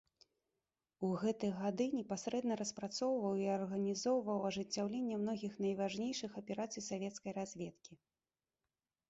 У гэтыя гады непасрэдна распрацоўваў і арганізоўваў ажыццяўленне многіх найважнейшых аперацый савецкай разведкі.